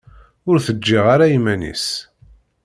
Ur t-ǧǧiɣ ara iman-is.